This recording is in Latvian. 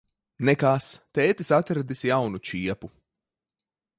Nekas. Tētis atradis jaunu čiepu.